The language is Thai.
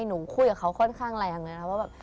หนูคุยกับเขาค่อนข้างแรงเลยนะว่าแบบ